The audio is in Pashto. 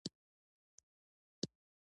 سړي وویل راغلی مسافر یم